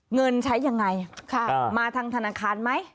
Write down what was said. เงินใช้ยังไงมาทางธนาคารไหม